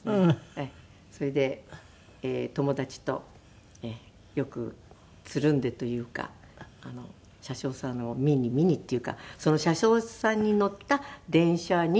それで友達とよくつるんでというか車掌さんを見に見にっていうかその車掌さんの乗った電車に乗るのが楽しみ。